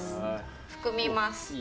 含みます。